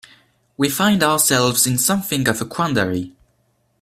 We find ourselves in something of a quandary.